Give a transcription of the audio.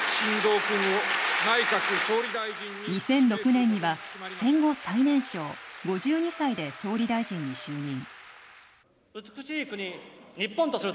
２００６年には、戦後最年少、５２歳で総理大臣に就任。